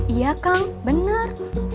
iya kang bener